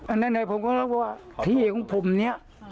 อันนั้นผมก็ลองว่าที่ไหนของผมนี่